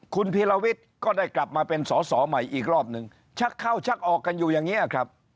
คุณพีรวิทย์ก็ได้กลับมาเป็นสอสอใหม่อีกรอบหนึ่งชักเข้าชักออกกันอยู่อย่างนี้ครับ